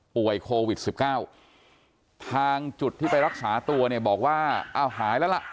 โควิด๑๙ทางจุดที่ไปรักษาตัวเนี่ยบอกว่าอ้าวหายแล้วล่ะ